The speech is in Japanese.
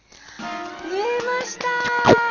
縫えました！